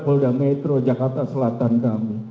polda metro jakarta selatan kami